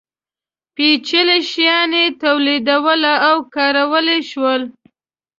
پېچلي شیان یې تولیدولی او کارولی شول.